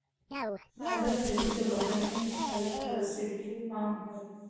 ازادي راډیو د بهرنۍ اړیکې حالت ته رسېدلي پام کړی.